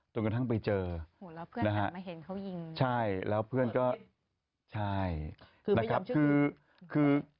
จนกระทั่งไปเจอนะครับใช่แล้วเพื่อนก็ใช่นะครับคือ